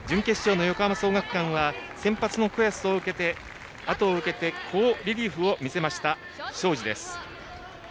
準決勝の横浜創学館戦では先発の子安のあとを受けて好リリーフを見せた庄司です。